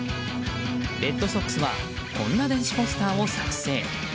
レッドソックスはこんな電子ポスターを作成。